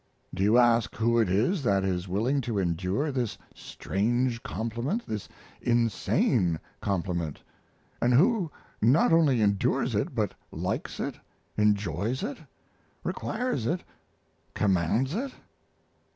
Do you ask who it is that is willing to endure this strange compliment, this insane compliment, and who not only endures it but likes it, enjoys it, requires it, commands it?